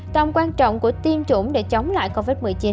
tầm quan trọng của tiêm chủng để chống lại covid một mươi chín